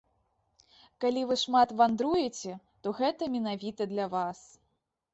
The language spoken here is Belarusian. Калі вы шмат вандруеце, то гэта менавіта для вас.